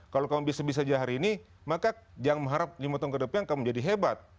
kalau kamu bisa bisa jadi hari ini maka jangan mengharap lima tahun ke depannya kamu menjadi hebat